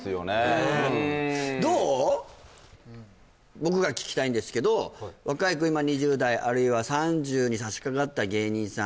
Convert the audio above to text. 僕が聞きたいんですけど若い子今２０代あるいは３０にさしかかった芸人さん